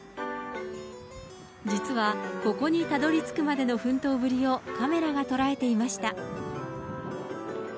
実は、ここにたどりつくまでの奮闘ぶりをカメラが捉えていました。